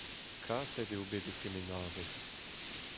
Kaset eo bet ho kemennadenn.